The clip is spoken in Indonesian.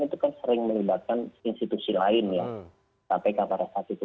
itu kan sering melibatkan institusi lain ya kpk pada saat itu